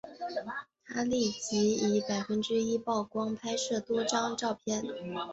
他立即以百分之一秒曝光拍摄多张照片。